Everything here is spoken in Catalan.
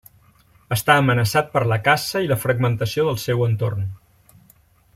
Està amenaçat per la caça i la fragmentació del seu entorn.